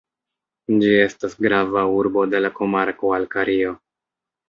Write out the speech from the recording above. Ĝi estas grava urbo de la komarko Alkario.